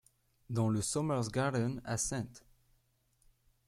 Dans le Somers'Gardens à St.